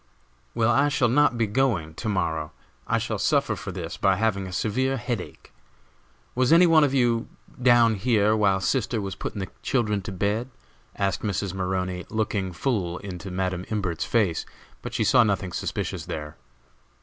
"Well, I shall not be going to morrow. I shall suffer for this by having a severe head ache. Was any one with you, down here, while sister was putting the children to bed?" asked Mrs. Maroney, looking full into Madam Imbert's face, but she saw nothing suspicious there.